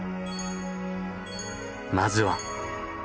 まずは。